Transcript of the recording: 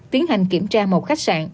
tiến hành kiểm tra một khách sạn